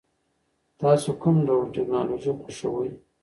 تاسو کوم ډول ټیکنالوژي خوښوئ؟